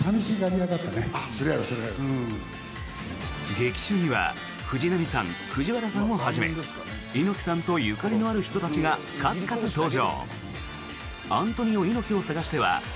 劇中には藤波さん、藤原さんをはじめ猪木さんとゆかりのある人たちが数々登場。